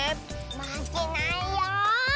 まけないよ。